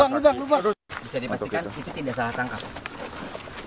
bisa dipastikan itu tidak salah tangkap